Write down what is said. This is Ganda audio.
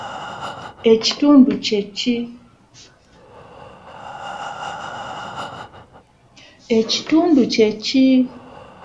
Ekitundu kye ki?